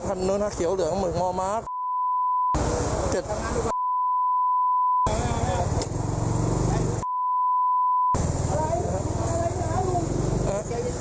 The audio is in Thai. ค่ะหนูหน้าเขียวเหลืองเหมือนหมอเมอร์บีเรา